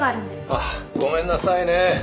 あっごめんなさいね。